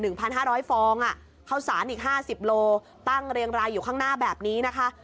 เท่าไหร่๑๕๐๐ฟองเขาสารอีก๕๐โลตั้งเรียงรายอยู่ข้างหน้าแบบนี้นะคะ